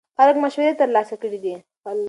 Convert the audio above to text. خلک مشورې ترلاسه کړې دي.